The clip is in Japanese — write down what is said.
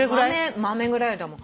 豆ぐらいだもん。